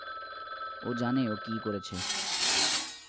ও জানে ও কী করেছে।